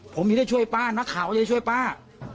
ผมอย่างงี้ช่วยป้านักข่าว้าก็ช่วยป้า